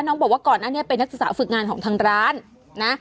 น้องบอกว่าก่อนอันนี่เป็นนักศึกษาฝึกงานของทั้งร้าน